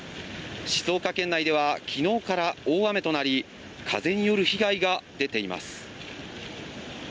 静岡県内では昨日から大雨となり風による被害が出ています。